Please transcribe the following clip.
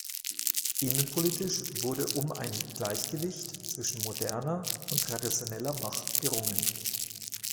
Innenpolitisch wurde um ein Gleichgewicht zwischen moderner und traditioneller Macht gerungen.